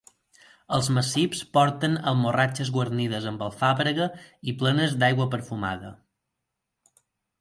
Els macips porten almorratxes guarnides amb alfàbrega i plenes d'aigua perfumada.